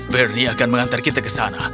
bernie akan mengantar kita ke sana